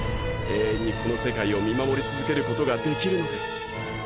永遠にこの世界を見守り続ける事ができるのです。